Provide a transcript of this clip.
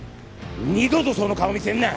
二度とその顔見せんな。